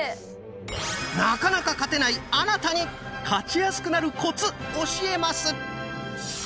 なかなか勝てないあなたに勝ちやすくなるコツ教えます！